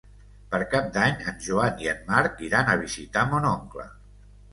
Per Cap d'Any en Joan i en Marc iran a visitar mon oncle.